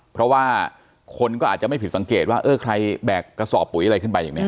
เพราะว่าคนก็อาจจะไม่ผิดสังเกตว่าเออใครแบกกระสอบปุ๋ยอะไรขึ้นไปอย่างนี้